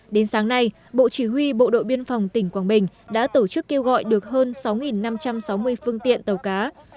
đến sáng nay bộ chỉ huy bộ đội biên phòng tỉnh quảng bình đã tổ chức kêu gọi được hơn sáu năm trăm sáu mươi phương tiện tàu cá